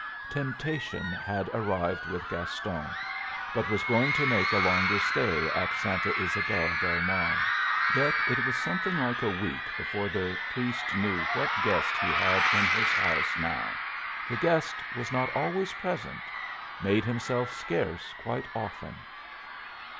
Temptation had arrived with Gaston, but was going to make a longer stay at Santa Ysabel del Mar. Yet it was something like a week before the priest knew what guest he had in his house now. The guest was not always present made himself scarce quite often.